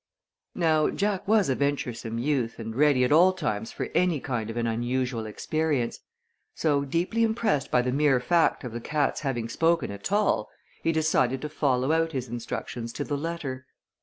Now Jack was a venturesome youth and ready at all times for any kind of an unusual experience; so, deeply impressed by the mere fact of the cat's having spoken at all, he decided to follow out his instructions to the letter.